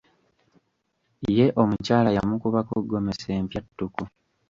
Ye omukyala yamukubako gomesi empya ttuku.